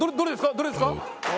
どれですか？